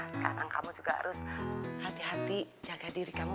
sekarang kamu juga harus hati hati jaga diri kamu